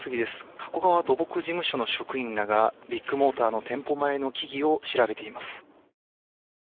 加古川土木事務所の職員らがビッグモーターの店舗前の木々を調べています。